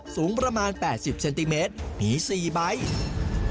สูงประมาณ๘๐เซนติเมตรผี๔ใบ